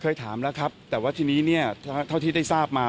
เคยถามแล้วครับแต่ว่าทีนี้เนี่ยเท่าที่ได้ทราบมา